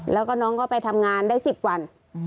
แล้วก็น้องก็ไปทำงานได้๑๐วัน